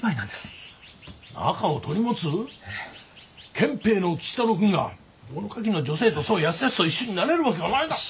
憲兵の吉太郎君が物書きの女性とそうやすやすと一緒になれる訳がないだろう。